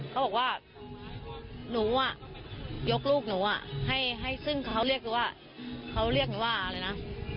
เขาบอกว่าหนูยกลูกหนูให้ซึ่งเขาเรียกหนูว่าเขาเรียกหนูว่าอะไรนะ